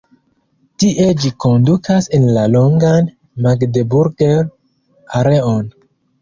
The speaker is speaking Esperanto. Tie ĝi kondukas en la longan "Magdeburger-aleon".